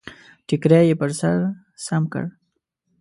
ټکری يې پر سر سم کړ.